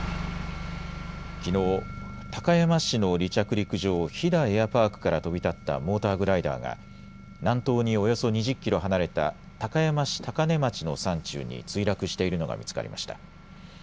きのう、高山市の離着陸場、飛騨エアパークから飛び立ったモーターグライダーが南東におよそ２０キロ離れた高山市高根町の山中に墜落しているのが見つかりました。